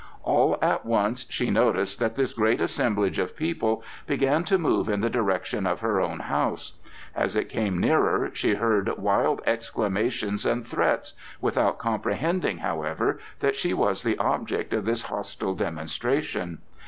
All at once she noticed that this great assemblage of people began to move in the direction of her own house. As it came nearer she heard wild exclamations and threats, without comprehending, however, that she was the object of this hostile demonstration.